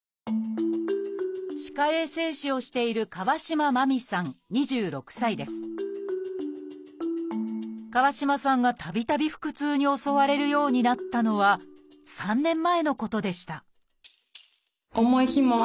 歯科衛生士をしている川島さんがたびたび腹痛に襲われるようになったのは３年前のことでした